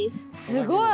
すごい！